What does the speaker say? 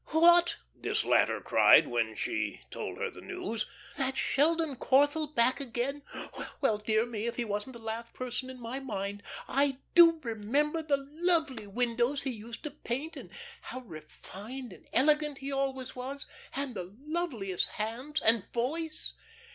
"What," this latter cried when she told her the news, "that Sheldon Corthell back again! Well, dear me, if he wasn't the last person in my mind. I do remember the lovely windows he used to paint, and how refined and elegant he always was and the loveliest hands and voice."